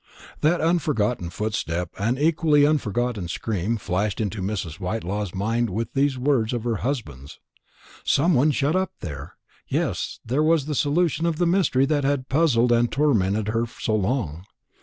That unforgotten footstep and equally unforgotten scream flashed into Mrs. Whitelaw's mind with these words of her husband's. Some one shut up there; yes, that was the solution of the mystery that had puzzled and tormented her so long.